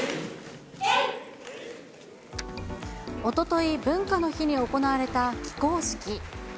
おととい、文化の日に行われた起工式。